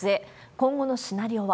今後のシナリオは。